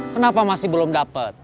kenapa masih belum dapet